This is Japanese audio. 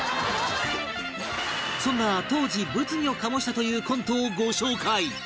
そんな当時物議を醸したというコントをご紹介